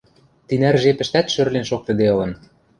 Тинӓр жепӹштӓт шӧрлен шоктыде ылын.